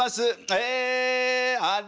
えあれ？